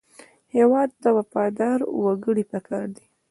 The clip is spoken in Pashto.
هېواد ته وفادار وګړي پکار دي